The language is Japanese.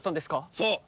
そう。